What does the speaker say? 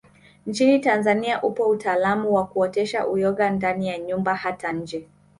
Nchini Tanzania upo utaalamu wakuotesha uyoga ndani ya nyumba hata nje